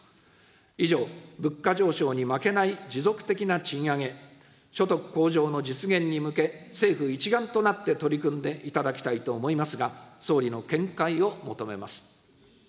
以上、物価上昇に負けない持続的な賃上げ、所得向上の実現に向け、政府一丸となって取り組んでいただきたいと思いますが、総理の見解を求めます。